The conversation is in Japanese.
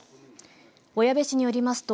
小矢部市によりますと